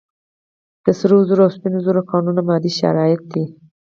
د سرو زرو او سپینو زرو کانونه مادي شرایط دي.